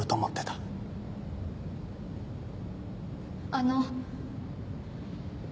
あの。